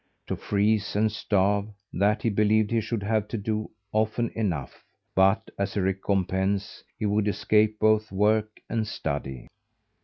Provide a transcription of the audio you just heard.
To freeze and starve: that he believed he should have to do often enough; but as a recompense, he would escape both work and study.